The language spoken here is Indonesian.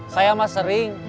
saya mah sering